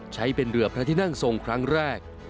ใช้เป็นเรือพระที่นั่งทรงครั้งแรก